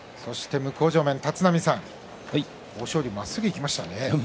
向正面、立浪さん豊昇龍、まっすぐいきました。